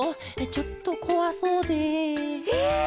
ちょっとこわそうで。え！